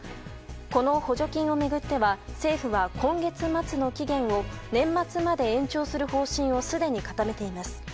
この補助金を巡っては政府は今月末の期限を年末まで延長する方針をすでに固めています。